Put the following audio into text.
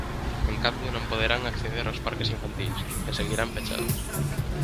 En cambio, non poderán acceder aos parques infantís, que seguirán pechados.